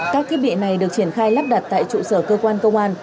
các thiết bị này được triển khai lắp đặt tại trụ sở cơ quan công an